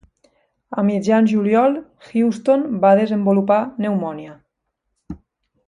A mitjan juliol, Houston va desenvolupar pneumònia.